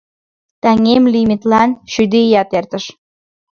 — Таҥем лийметлан шӱдӧ ият эртыш...